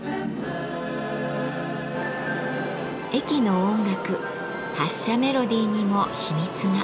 駅の音楽発車メロディーにも秘密が。